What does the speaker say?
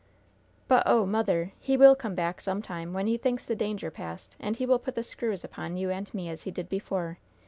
"But, oh, mother, he will come back, some time, when he thinks the danger past, and he will put the screws upon you and me as he did before!